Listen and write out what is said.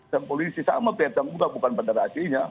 dan polisi sama pihak yang bukan bukan penderasinya